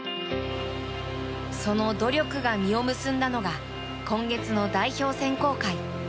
その努力が実を結んだのが今月の代表選考会。